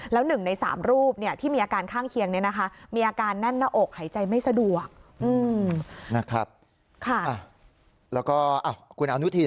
แล้ว๑ใน๓รูปที่มีอาการข้างเคียงมีอาการแน่นหน้าอกหายใจไม่สะดวก